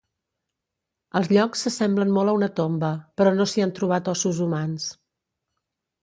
Els llocs s'assemblen molt a una tomba, però no s'hi han trobat ossos humans.